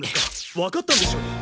分かったんでしょう。